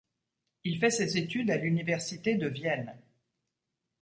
Il fait ses études à l'université de Vienne.